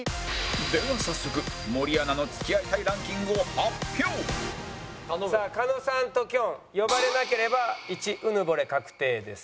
では早速森アナの付き合いたいランキングを発表さあ狩野さんときょん呼ばれなければ１うぬぼれ確定です。